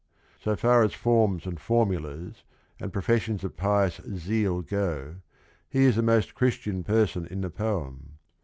So far as forms and formulas and profession of pious zeal go, he is the most Chris tian person in the poem.